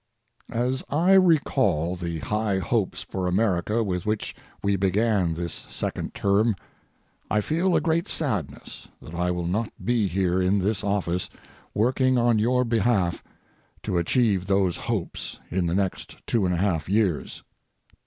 As I recall the high hopes for America with which we began this second term, I feel a great sadness that I will not be here in this office working on your behalf to achieve those hopes in the next 2 1/2 years.